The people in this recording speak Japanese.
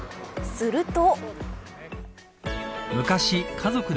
すると。